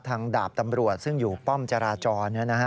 ทางดาบตำรวจซึ่งอยู่ป้อมจราจรนะครับ